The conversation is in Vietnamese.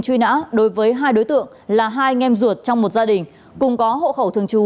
truy nã đối với hai đối tượng là hai nghem ruột trong một gia đình cùng có hộ khẩu thường trú